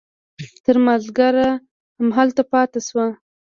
تر مازديګره هملته پاته سو.